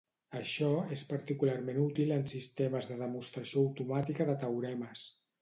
Això és particularment útil en sistemes de demostració automàtica de teoremes.